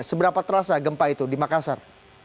seberapa terasa gempa itu di makassar